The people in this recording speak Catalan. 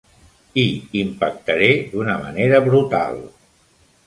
Hi impactaré d'una manera brutal.